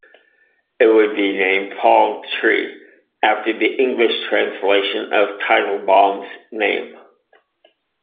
It would be named Palm Tree, after the English translation of Teitelbaum's name.